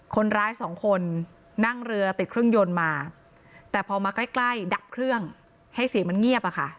คนร้ายสองคนนั่งเรือติดเครื่องยนต์มาแต่พอมาใกล้ใกล้ดับเครื่องให้เสียงมันเงียบอะค่ะ